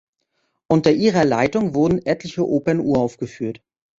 Unter ihrer Leitung wurden etliche Opern uraufgeführt.